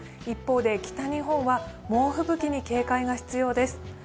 一方で、北日本は猛吹雪に警戒が必要です。